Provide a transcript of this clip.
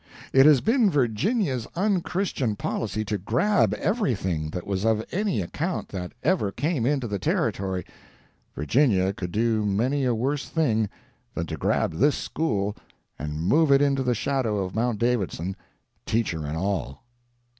It has been Virginia's unchristian policy to grab everything that was of any account that ever came into the Territory—Virginia could do many a worse thing than to grab this school and move it into the shadow of Mount Davidson, teacher and all.